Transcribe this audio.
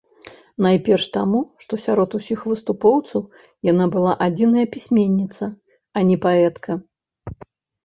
Найперш таму, што сярод усіх выступоўцаў яна была адзіная пісьменніца, а не паэтка.